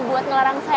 buat ngelarang suaranya